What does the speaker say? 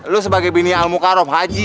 lo sebagai bini al mukarraf haji